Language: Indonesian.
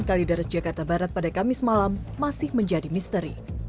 kalidaris jakarta barat pada kamis malam masih menjadi misteri